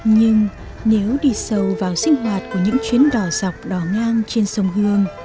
nhưng nếu đi sâu vào sinh hoạt của những chuyến đò dọc đò ngang trên sông hương